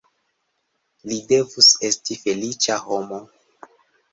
Li devus esti feliĉa homo.